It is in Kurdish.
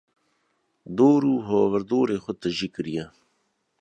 dor û hawirdorê xwe tijî kiriye.